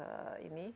selama ini ya